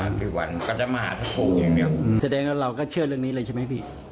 ก็ได้มาหาทุกคนอย่างเดียวแสดงว่าเราก็เชื่อเรื่องนี้เลยใช่ไหมพี่